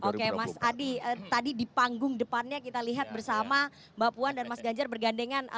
oke mas adi tadi di panggung depannya kita lihat bersama mbak puan dan mas ganjar bergandengan